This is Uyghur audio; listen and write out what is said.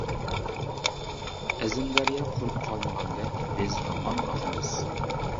ئەزىم دەريا قۇرۇپ قالمىغاندەك، بىز ھامان ئاقىمىز !